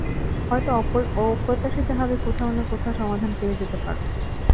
হয়তো অপ্রত্যাশিতভাবে কোথাও না কোথাও সমাধান পেয়েও যেতে পারো।